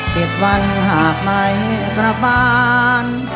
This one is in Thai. เก็บวันหากไม่กลับบ้าน